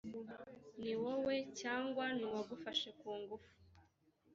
ni wowe cyangwa ni uwagufashe ku ngufu